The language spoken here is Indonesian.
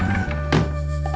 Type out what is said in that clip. kamu mau ke rumah